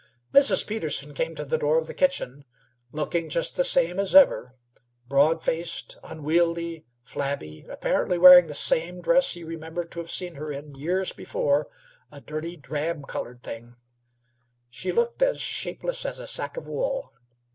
Mrs. Peterson came to the door of the kitchen, looking just the same as ever. Broad faced, unwieldly, flabby, apparently wearing the same dress he remembered to have seen her in years before, a dirty drab colored thing, she looked as shapeless as a sack of wool.